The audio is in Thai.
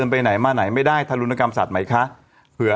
ไปไหนมาไหนไม่ได้ทารุณกรรมสัตว์ไหมคะเผื่อ